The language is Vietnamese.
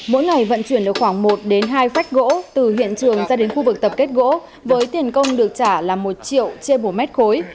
mỗi ngày vận chuyển được khoảng một hai phách gỗ từ hiện trường ra đến khu vực tập kết gỗ với tiền công được trả là một triệu trên một mét khối